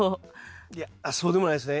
いやそうでもないですね。